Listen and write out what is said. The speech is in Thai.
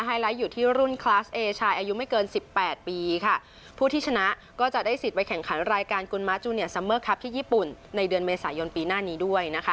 ไลท์อยู่ที่รุ่นคลาสเอชายอายุไม่เกินสิบแปดปีค่ะผู้ที่ชนะก็จะได้สิทธิ์ไปแข่งขันรายการกุลมาร์จูเนียซัมเมอร์ครับที่ญี่ปุ่นในเดือนเมษายนปีหน้านี้ด้วยนะคะ